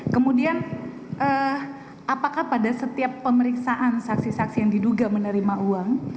kemudian apakah pada setiap pemeriksaan saksi saksi yang diduga menerima uang